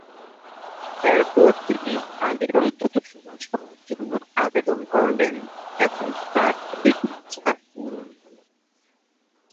এরপর তিনি আলীর অন্তত সুবাস পাওয়ার জন্য আবেদন করলেন এবং তার এই ইচ্ছা পূর্ণ করা হল।